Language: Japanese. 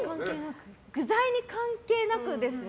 具材に関係なくですね。